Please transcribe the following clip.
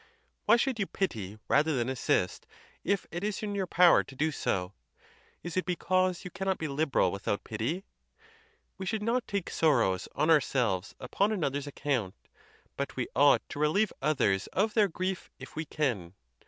Why should you pity rather than assist, if it is in your power to do so? Is it because you cannot be liberal with out pity? We should not take sorrows on ourselves upon another's account; but we ought to relieve others of their grief if we can.